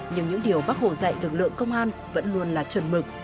nhưng những điều bác hồ dạy lực lượng công an vẫn luôn là chuẩn mực